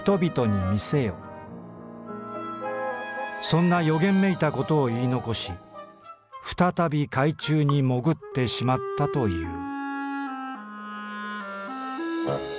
そんな予言めいたことをいい残し再び海中に潜ってしまったという」。